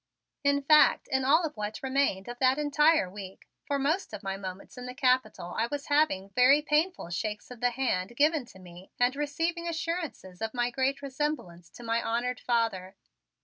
In fact, in all of what remained of that entire week, for most of my moments in the Capitol I was having very painful shakes of the hand given to me and receiving assurances of my great resemblance to my honored father.